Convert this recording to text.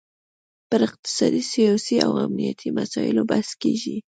پر اقتصادي، سیاسي او امنیتي مسایلو بحث کیږي